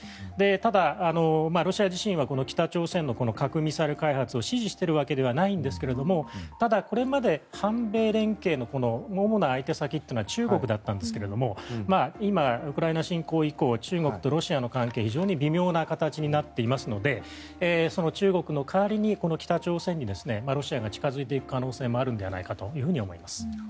ただ、ロシア自身は北朝鮮の核・ミサイル開発を支持しているわけではないんですがただこれまで反米連携の主な相手先というのは中国だったんですが今、ウクライナ侵攻以降中国とロシアの関係は非常に微妙な関係になっていますのでその中国の代わりにこの北朝鮮にロシアが近付いていく可能性もあるのではと思います。